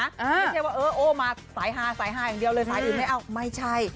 ไม่ใช่ว่าเออโอ้มาสายฮาสายฮาอย่างเดียวเลยสายอื่นไม่เอาไม่ใช่